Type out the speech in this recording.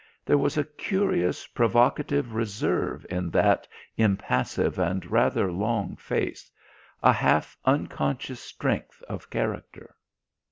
There was a curious provocative reserve in that impassive and rather long face, a half unconscious strength of character.